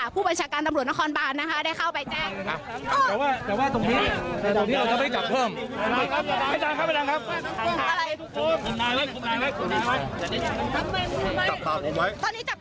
ผู้บัญชาการตำรวจนครบานนะคะได้เข้าไปแจ้ง